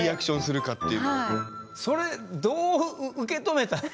それどう受け止めたの？